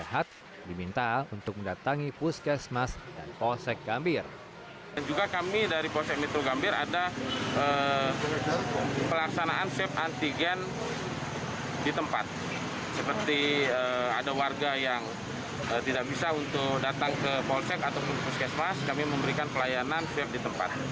kami memberikan pelayanan swab di tempat